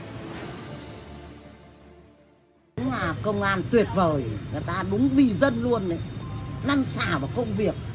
công an tuyệt vời người ta đúng vì dân luôn năng xả vào công việc